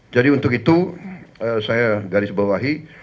jadi untuk itu saya garis bawah ini